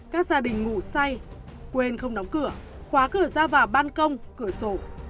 các gia đình ngủ say quên không đóng cửa khóa cửa ra vào ban công cửa sổ